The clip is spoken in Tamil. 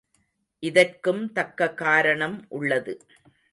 இதற்கும் தக்க காரணம் உள்ளது.